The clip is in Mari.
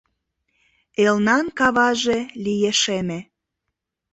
Элнан каваже лие шеме.